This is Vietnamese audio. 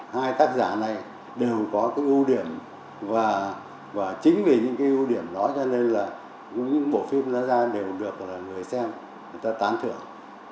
hai tác giả này đều có ưu điểm và chính vì những ưu điểm đó cho nên là những bộ phim đã ra đều được người xem người ta tán tưởng